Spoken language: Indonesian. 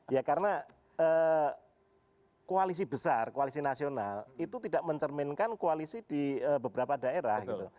ya karena koalisi besar koalisi nasional itu tidak mencerminkan koalisi di beberapa daerah gitu